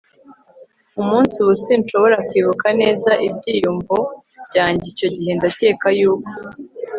umunsi. ubu sinshobora kwibuka neza ibyiyumvo byanjye icyo gihe. ndakeka yuko